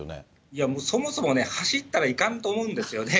いや、もう、そもそもね、走ったらいかんと思うんですよね。